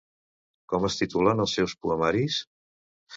Com es titulen els seus poemaris?